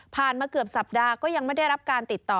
มาเกือบสัปดาห์ก็ยังไม่ได้รับการติดต่อ